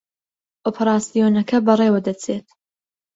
ئۆپراسیۆنەکە بەڕێوە دەچێت